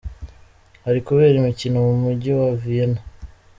Hari kubera imikino mu mujyi wa Vienna.